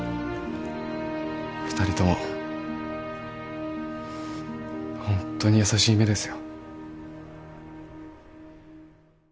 二人とも本当に優しい目ですよ